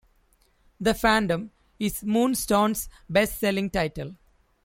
"The Phantom" is Moonstone's best selling title.